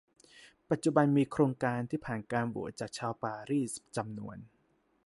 ปัจจุบันมีโครงการที่ผ่านการโหวตจากชาวปารีสจำนวน